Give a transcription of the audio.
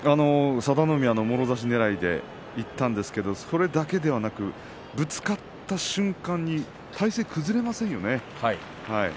佐田の海はもろ差しねらいでいったんですがそれだけではなくてぶつかった瞬間に体勢が崩れませんね。